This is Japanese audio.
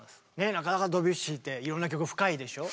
なかなかドビュッシーっていろんな曲深いでしょう。